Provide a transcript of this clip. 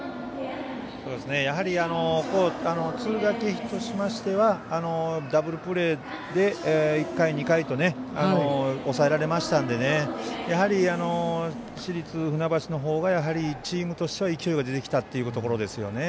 やはり敦賀気比としてはダブルプレーで１回、２回と抑えられましたんで市立船橋の方がチームとしては勢いが出てきたということですね。